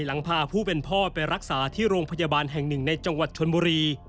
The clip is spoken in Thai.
หลังพาผู้เป็นพ่อไปรักษาที่โรงพยาบาลแห่งหนึ่งในจังหวัดชนบุรี